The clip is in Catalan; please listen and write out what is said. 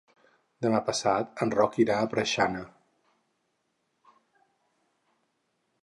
Demà passat en Roc irà a Preixana.